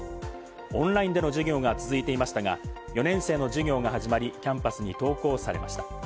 オンラインでの授業が続いていましたが４年生の授業が始まり、キャンパスに登校されました。